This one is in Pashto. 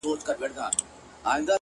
o هغه ورځ په واک کي زما زړه نه وي،